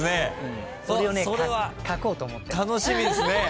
楽しみですね。